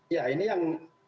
ya ini yang